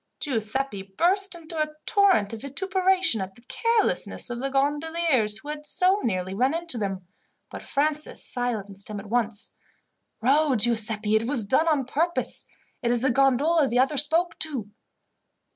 Giuseppi burst into a torrent of vituperation at the carelessness of the gondoliers who had so nearly run into them, but Francis silenced him at once. "Row, Giuseppi. It was done on purpose. It is the gondola the other spoke to."